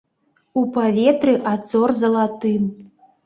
У паветры ад зор залатым.